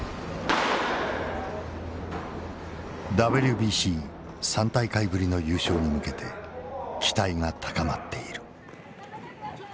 ＷＢＣ３大会ぶりの優勝に向けて期待が高まっている。